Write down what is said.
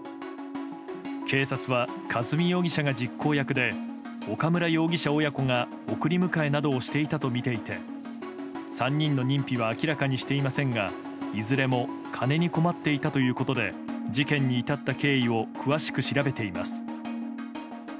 警察は、和美容疑者が実行役で岡村容疑者親子が送り迎えなどをしていたとみていて３人の認否は明らかにしていませんがいずれも金に困っていたということで事件に至った経緯を詳しく調べています。